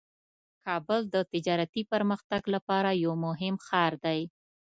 کابل د تجارتي پرمختګ لپاره یو مهم ښار دی.